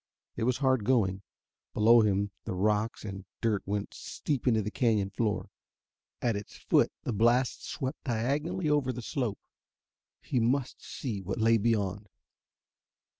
It was hard going. Below him the rocks and dirt went steep to the canyon floor. At its foot the blast swept diagonally over the slope. He must see what lay beyond....